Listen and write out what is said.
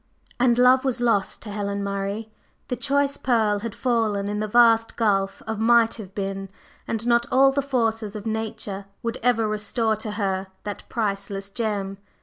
And Love was lost to Helen Murray; the choice pearl had fallen in the vast gulf of Might have been, and not all the forces of Nature would ever restore to her that priceless gem.